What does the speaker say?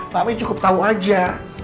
mami cukup tau aja